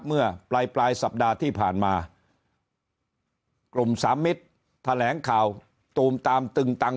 เมื่อปลายปลายสัปดาห์ที่ผ่านมากลุ่มสามมิตรแถลงข่าวตูมตามตึงตัง